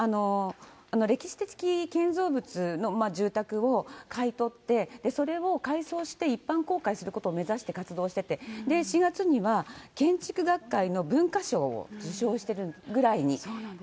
歴史的建造物の住宅を買い取って、それを改装して一般公開することを目指して活動してて、４月には、建築学会の文化賞を受賞するぐらいに。